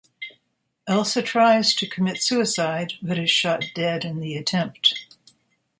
Elsa tries to commit suicide, but is shot dead in the attempt.